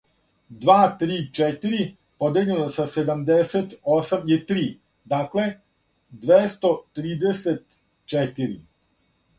Два три четири подељено са седамдесетосам је три. Дакле двестотридесетчетири.